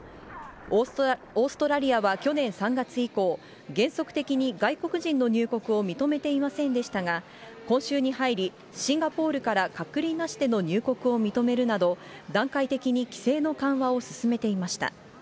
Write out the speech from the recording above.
オーストラリアは去年３月以降、原則的に外国人の入国を認めていませんでしたが、今週に入り、シンガポールから隔離なしでの入国を認めるなど、段階的に規制の緩和を進めていました。